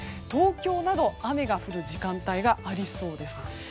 東京など雨が降る時間帯がありそうです。